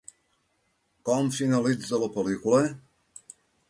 Com finalitza la pel·lícula?